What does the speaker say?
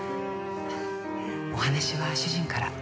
お話は主人から。